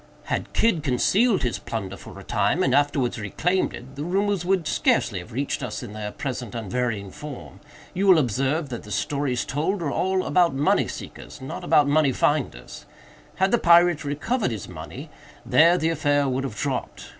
Had Kidd concealed his plunder for a time, and afterwards reclaimed it, the rumors would scarcely have reached us in their present unvarying form. You will observe that the stories told are all about money seekers, not about money finders. Had the pirate recovered his money, there the affair would have dropped.